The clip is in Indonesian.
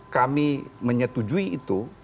kami menyetujui itu